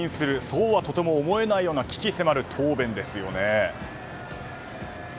そうはとても思えないような鬼気迫る答弁ですよね。